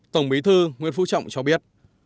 tổng bí thư nguyễn phú trọng cho biết